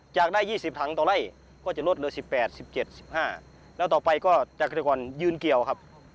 จากได้๒๐ถังต่อไล่ก็จะลดเหลือ๑๘๑๕แล้วต่อไปก็ยืนเกี่ยวครับ